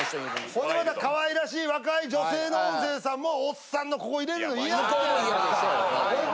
ほんでまたかわいらしい若い女性の音声さんもおっさんのここ入れるのイヤじゃないですか。